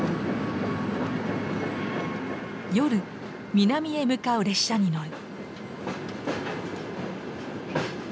夜南へ向かう列車に乗る。